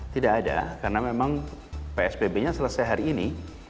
tidak ada karena memang psbb nya selesai hari ini